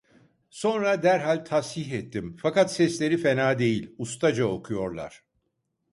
Sonra derhal tashih ettim: "Fakat sesleri fena değil… Ustaca okuyorlar…"